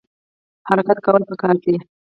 حرکت کول پکار دي